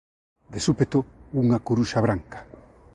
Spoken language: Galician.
de súpeto unha curuxa branca